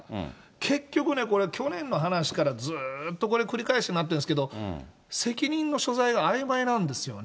結局ね、これ去年の話からずっと繰り返しになってるんですけど、責任の所在があいまいなんですよね。